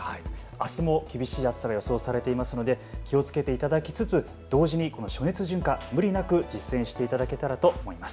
あすも厳しい暑さが予想されていますので気をつけていただきつつ同時にこの暑熱順化、無理なく実践していただけたらと思います。